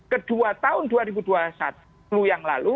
kedua tahun dua ribu dua puluh yang lalu